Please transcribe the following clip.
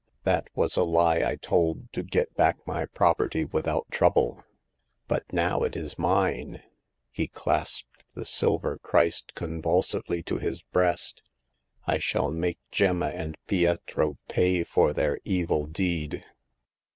" That was a lie I told to get back my property without trouble. But now it is mine "— he clasped the silver Christ con vulsively to his breast. " I shall make Gemma and Pietro pay for their evil deed